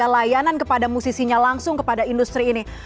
layanan kepada musisinya langsung kepada industri ini